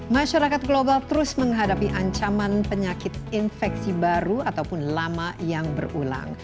masyarakat global terus menghadapi ancaman penyakit infeksi baru ataupun lama yang berulang